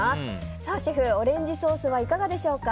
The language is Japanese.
さあシェフ、オレンジソースはいかがでしょうか。